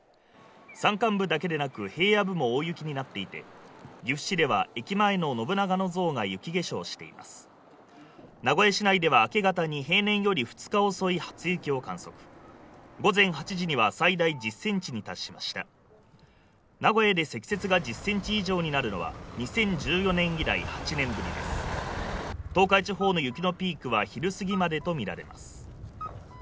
山間部だけでなく平野部も大雪になっていて岐阜市では駅前の信長の像が雪化粧しています名古屋市内では明け方に平年より２日遅い初雪を観測午前８時には最大１０ｃｍに達しました名古屋で積雪が１０ｃｍ以上になるのは２０１４年以来８年ぶりです東海地方の雪のピークは昼過ぎまでと見られます